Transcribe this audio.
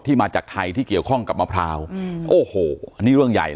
มาจากไทยที่เกี่ยวข้องกับมะพร้าวโอ้โหอันนี้เรื่องใหญ่